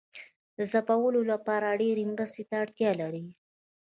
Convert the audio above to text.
د ځپلو لپاره ډیرې مرستې ته اړتیا لري.